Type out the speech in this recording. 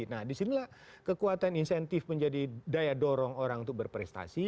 nah disinilah kekuatan insentif menjadi daya dorong orang untuk berprestasi